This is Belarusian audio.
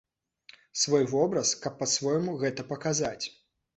Свой вобраз, каб па-свойму гэта паказаць.